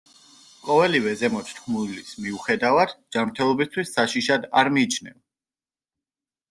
ყოველივე ზემოთ თქმულის მიუხედავად, ჯანმრთელობისთვის საშიშად არ მიიჩნევა.